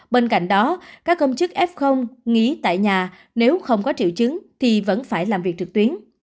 bên cạnh đó các công chức f nghĩ tại nhà nếu không có triệu chứng thì vẫn phải làm việc trực tuyến